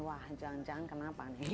wah jangan jangan kenapa nih